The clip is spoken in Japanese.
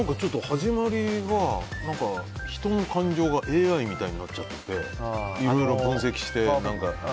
始まりは人の感情がＡＩみたいになっちゃってていろいろ分析して。